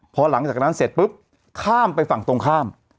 พอหลังจากนั้นเสร็จปุ๊บข้ามไปฝั่งตรงข้าม